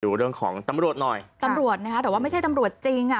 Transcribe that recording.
ดูเรื่องของตำรวจหน่อยตำรวจนะคะแต่ว่าไม่ใช่ตำรวจจริงอ่ะ